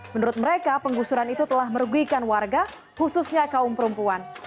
menurut mereka penggusuran itu telah merugikan warga khususnya kaum perempuan